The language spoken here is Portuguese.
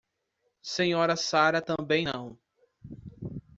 Sra Sarah também não.